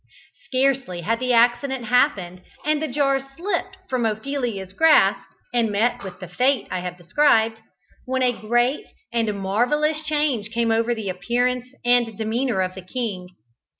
Scarcely had the accident happened, and the jar slipped from Ophelia's grasp and met with the fate I have described, when a great and marvellous change came over the appearance and demeanour of the king.